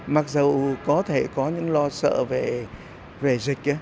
mặc dù có thể có những lo sợ về dịch